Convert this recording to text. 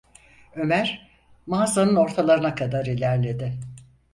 Ömer, mağazanın ortalarına kadar ilerledi.